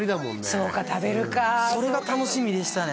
そうか食べるかそれが楽しみでしたね